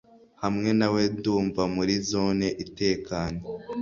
hamwe nawe ndumva muri zone itekanye